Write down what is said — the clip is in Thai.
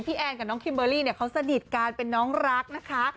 แอนกับน้องคิมเบอร์รี่เนี่ยเขาสนิทกันเป็นน้องรักนะคะ